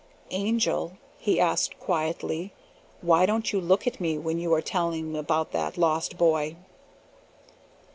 "Angel," he asked quietly, "why don't you look at me when you are telling about that lost boy?"